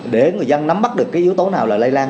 để người dân nắm bắt được cái yếu tố nào là lây lan